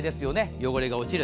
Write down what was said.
汚れが落ちる。